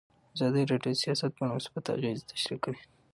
ازادي راډیو د سیاست په اړه مثبت اغېزې تشریح کړي.